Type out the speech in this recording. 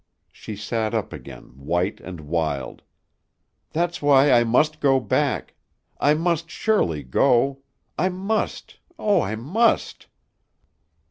She sat up again, white and wild. "That's why I must go back. I must surely go. I must! Oh, I must!"